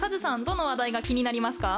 どの話題が気になりますか？